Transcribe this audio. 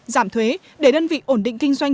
giảm thuế để đơn vị ổn định kinh doanh